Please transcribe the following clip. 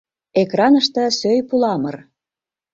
Экраныште — сӧй пуламыр.